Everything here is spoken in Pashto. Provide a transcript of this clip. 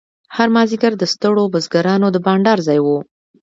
هر مازیګر د ستړو بزګرانو د بنډار ځای و.